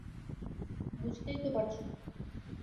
বুঝতেই তো পারছ।